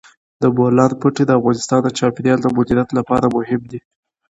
د بولان پټي د افغانستان د چاپیریال د مدیریت لپاره مهم دي.